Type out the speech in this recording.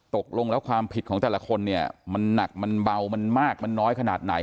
ตกลงแล้วความผิดของแต่ละคนเนี่ยมันหนักมันเบามันมากมันน้อยขนาดไหน